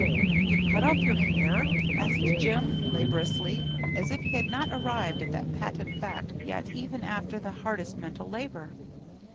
"You've cut off your hair?" asked Jim, laboriously, as if he had not arrived at that patent fact yet even after the hardest mental labor.